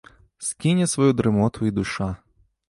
Скіне сваю дрымоту і душа.